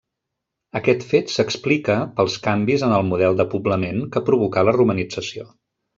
Aquest fet s'explica pels canvis en el model de poblament que provocà la romanització.